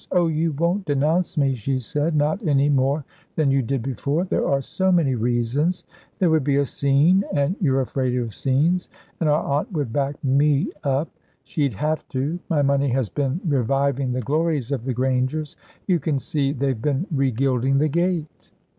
"Oh, you won't denounce me," she said, "not any more than you did before; there are so many reasons. There would be a scene, and you're afraid of scenes and our aunt would back me up. She'd have to. My money has been reviving the glories of the Grangers. You can see, they've been regilding the gate."